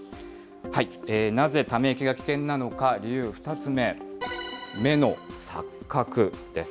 なぜ、ため池が危険なのか、理由２つ目、目の錯覚です。